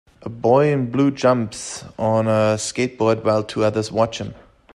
A boy in blue jumps on a skateboard while two others watch him